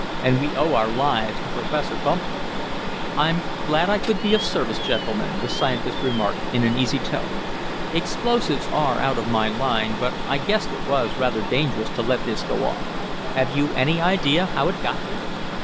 And we owe our lives to Professor Bumper." "I'm glad I could be of service, gentlemen," the scientist remarked, in an easy tone. "Explosives are out of my line, but I guessed it was rather dangerous to let this go off. Have you any idea how it got here?"